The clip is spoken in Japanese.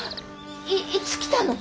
いいつ来たの？